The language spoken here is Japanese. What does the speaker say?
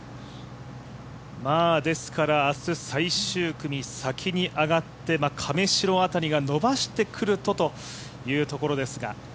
明日最終組、先に上がって亀代辺りが伸ばしてくるとというところですけれども。